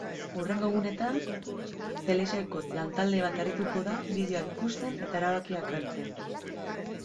Hurrengo egunetan, telesaileko lantalde bat arituko da bideoak ikusten eta erabakiak hartzen.